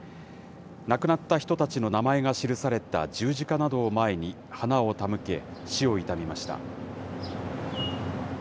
亡くなった人たちの名前が記された十字架などを前に、花を手向け、死を悼みました。